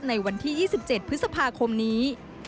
ในวันที่๒๗พฤษภาคมนี้